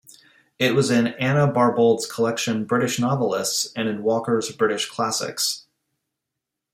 It was in Anna Barbauld's collection "British Novelists", and in Walker's "British Classics".